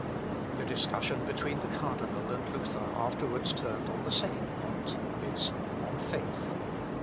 The discussion between the cardinal and Luther afterwards turned on the second point, viz., on faith.